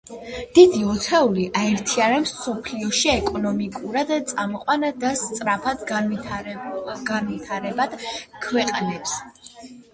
დიდი ოცეული, აერთიანებს მსოფლიოში ეკონომიკურად წამყვან და სწრაფად განვითარებად ქვეყნებს.